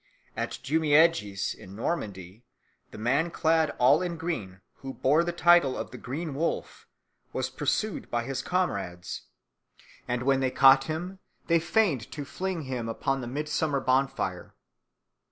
At Jumièges in Normandy the man clad all in green, who bore the title of the Green Wolf, was pursued by his comrades, and when they caught him they feigned to fling him upon the midsummer bonfire.